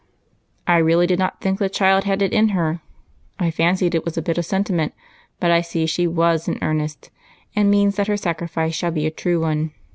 "I really did not think the child had it in her. I fancied it was a bit of sentiment, but I see she vxis in earnest, and means that her sacrifice shall be a true one.